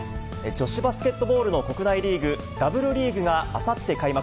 女子バスケットボールの国内リーグ、Ｗリーグがあさって開幕。